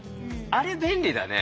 あれ便利だね。